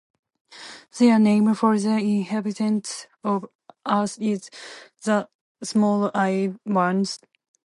Their name for the inhabitants of Earth is "the small-eyed ones".